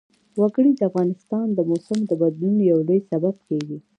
وګړي د افغانستان د موسم د بدلون یو لوی سبب کېږي.